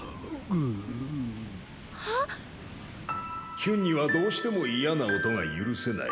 ヒュンにはどうしても嫌な音が許せない。